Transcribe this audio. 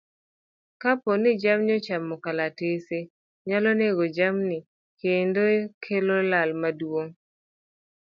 Kapo ni jamni ochamo kalatese nyalo nego jamnigo kendo kelo lal maduong'.